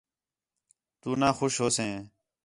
تُو نا خوش ہوسیں